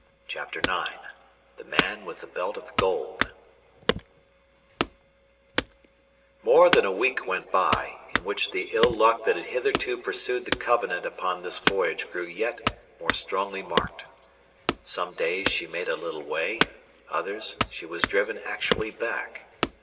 CHAPTER IX THE MAN WITH THE BELT OF GOLD More than a week went by, in which the ill luck that had hitherto pursued the Covenant upon this voyage grew yet more strongly marked. Some days she made a little way; others, she was driven actually back.